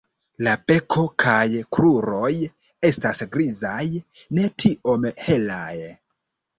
La beko kaj kruroj estas grizaj, ne tiom helaj.